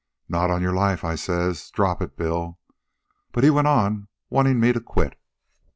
'Not on your life,' I says. 'Drop it, Bill.' But he went on wantin' me to quit.